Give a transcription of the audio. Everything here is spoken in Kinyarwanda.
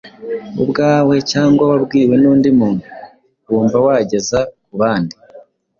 ubwawe cyangwa wabwiwe n’undi muntu, wumva wageza ku bandi.